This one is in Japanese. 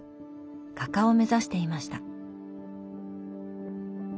画家を目指していました。